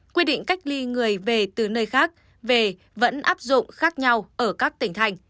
quy định cách ly người về từ nơi khác về vẫn áp dụng